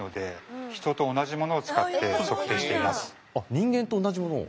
人間と同じものを？